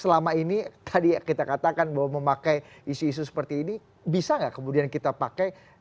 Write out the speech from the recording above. selama ini tadi kita katakan bahwa memakai isu isu seperti ini bisa nggak kemudian kita pakai